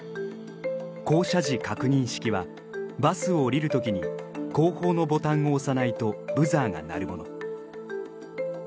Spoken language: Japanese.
降車時確認式はバスを降りるときに後方のボタンを押さないとブザーが鳴るもの。